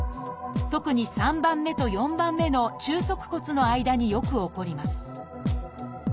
特に３番目と４番目の中足骨の間によく起こります。